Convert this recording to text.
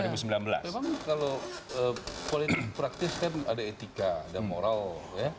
memang kalau politik praktis kan ada etika ada moral